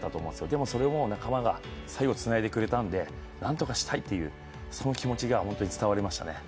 でもそれも仲間が最後つないでくれたんでなんとかしたいというその気持ちが本当に伝わりましたね。